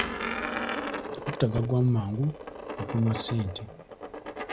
Amafuta gaggwamu mangu n'ekunywa ssente.